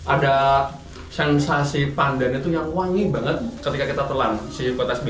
ada sensasi pandan itu yang wangi banget ketika kita telan si kue tasbih ini